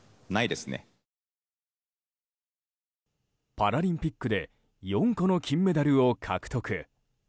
パラリンピックで４個の金メダルを獲得。